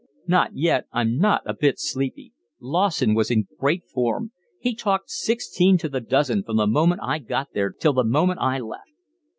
"Not yet, I'm not a bit sleepy. Lawson was in great form. He talked sixteen to the dozen from the moment I got there till the moment I left."